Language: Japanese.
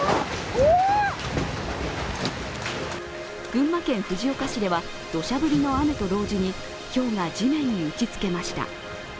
群馬県藤岡市ではどしゃ降りの雨と同時にひょうが地面に打ちつけました。